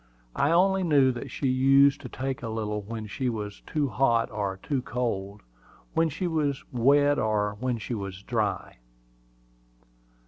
I only knew that she used to take a little when she was too hot or too cold, when she was wet or when she was dry.